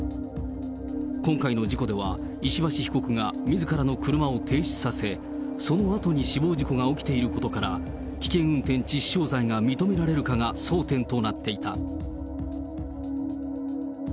今回の事故では、石橋被告が、みずからの車を停止させ、そのあとに死亡事故が起きていることから、危険運転致死傷罪が認められるかが争点となっていた。